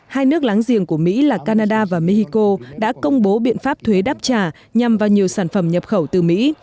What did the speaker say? hai nước láng giềng của mỹ là canada và mexico đã công bố biện pháp thuế đáp trả nhằm vào nhiều sản phẩm nhập khẩu từ mỹ